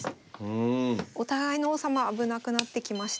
お互いの王様危なくなってきました。